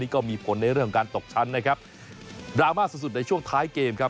ของการตกชั้นนะครับดราม่าสุดสุดในช่วงท้ายเกมครับ